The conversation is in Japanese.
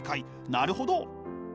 なるほど！